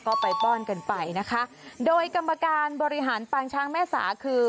ก็ไปป้อนกันไปนะคะโดยกรรมการบริหารปางช้างแม่สาคือ